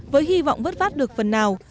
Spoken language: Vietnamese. với hy vọng vất vát được phần nào